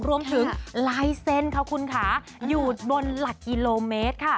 รวมถึงลายเซ็นต์ค่ะคุณค่ะอยู่บนหลักกิโลเมตรค่ะ